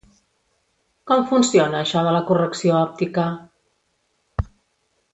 Com funciona això de la correcció òptica?